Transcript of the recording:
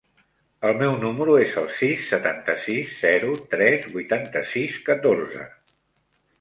El meu número es el sis, setanta-sis, zero, tres, vuitanta-sis, catorze.